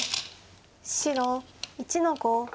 白１の五。